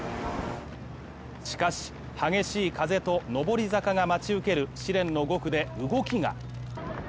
しかし、激しい風と上り坂が待ち受ける試練の５区で動きが。